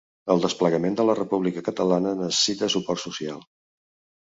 El desplegament de la República Catalana necessita suport social